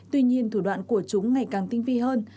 tuy nhiên thủ đoạn của chúng ngày càng tinh vi hơn